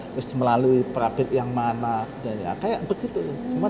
terus melalui perabik yang mana kayak begitu